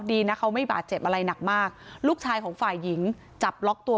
ดีนะเขาไม่บาดเจ็บอะไรหนักมากลูกชายของฝ่ายหญิงจับล็อกตัว